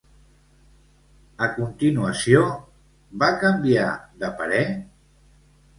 A continuació, va canviar de parer?